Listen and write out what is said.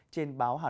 trên báo hà nội